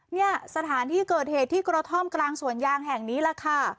เนี่ยสถานที่เกิดเหตุที่กระท่อมกลางสวนยางแห่งนี้แหละค่ะ